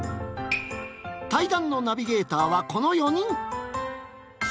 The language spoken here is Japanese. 対談のナビゲーターはこの４人。